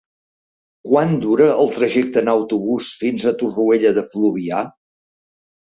Quant dura el trajecte en autobús fins a Torroella de Fluvià?